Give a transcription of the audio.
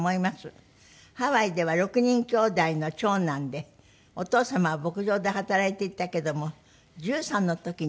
ハワイでは６人きょうだいの長男でお父様は牧場で働いていたけども１３の時に亡くなった。